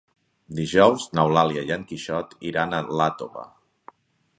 Dijous n'Eulàlia i en Quixot iran a Iàtova.